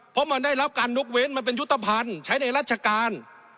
เพราะมันได้รับการยกเว้นมันเป็นยุทธภัณฑ์ใช้ในราชการ